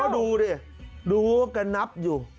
ก็ดูดิดูกระนับอยู่